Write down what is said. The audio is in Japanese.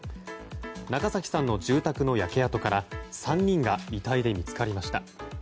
中崎さんの住宅の焼け跡から３人が遺体で見つかりました。